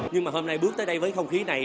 nhưng mà hôm nay bước tới đây với không khí này